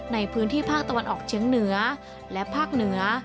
ในพื้นที่ภาคตะวันออกเชียงเหนือและภาคเหนือ